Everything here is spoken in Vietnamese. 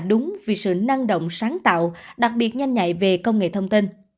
đúng vì sự năng động sáng tạo đặc biệt nhanh nhạy về công nghệ thông tin